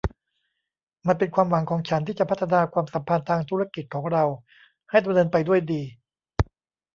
มันเป็นความหวังของฉันที่จะพัฒนาความสัมพันธ์ทางธุรกิจของเราให้ดำเนินไปด้วยดี